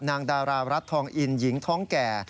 ดารารัฐทองอินหญิงท้องแก่